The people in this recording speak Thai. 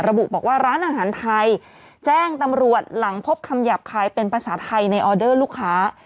ระบุบอกว่าร้านอาหารไทยแจ้งตำรวจหลังพบคำหยาบคายเป็นภาษาไทยในออเดอร์ลูกค้า